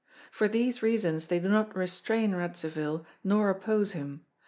For these reasons they do not restrain Radzivill, nor oppose him.